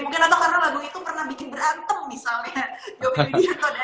mungkin atau karena lagu itu pernah bikin berantem misalnya